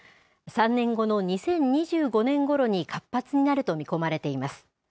３年後の２０２５年ごろに活発になると見込まれています。